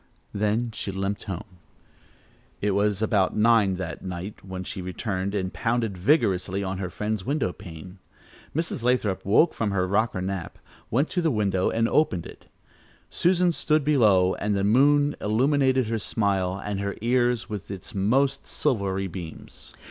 Then she limped home. It was about nine that night that she returned and pounded vigorously on her friend's window pane. Mrs. Lathrop woke from her rocker nap, went to the window and opened it. Susan stood below and the moon illuminated her smile and her ears with its most silvery beams.